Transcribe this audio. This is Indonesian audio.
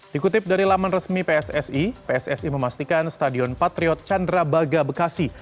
dikutip dari laman resmi pssi pssi memastikan stadion patriot candrabaga bekasi